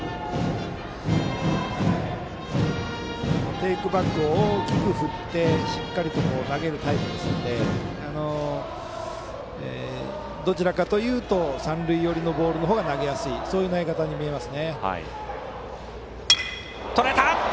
テイクバックを大きく振ってしっかり投げるタイプですのでどちらかというと三塁寄りのボールの方が投げやすい、そういう投げ方に見えます。